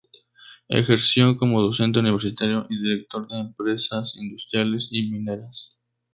Ejerció como docente universitario y director de empresas industriales y mineras.